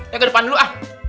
ya ke depan dulu ah